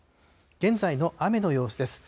現在の雨の様子です。